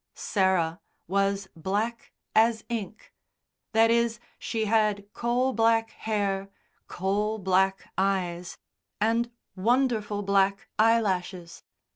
Sarah was black as ink that is, she had coal black hair, coal black eyes, and wonderful black eyelashes.